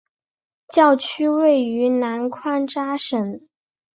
教区位于南宽扎省。